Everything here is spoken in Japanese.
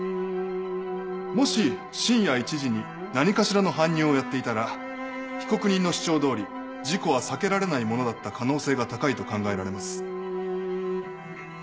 もし深夜１時に何かしらの搬入をやっていたら被告人の主張どおり事故は避けられないものだった可能性が高いと考えられます。